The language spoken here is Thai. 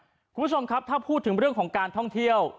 คุณผู้ชมครับถ้าพูดถึงเรื่องของการท่องเที่ยว